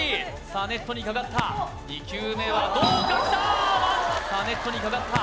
さあネットにかかった２球目はどうかきた！